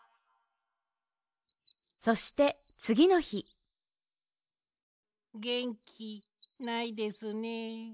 そしてつぎのひげんきないですね。